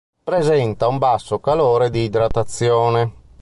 Presenta un basso calore di idratazione.